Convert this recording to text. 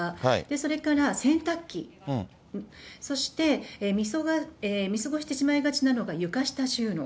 それから洗濯機、そして見過ごしてしまいがちなのが床下収納。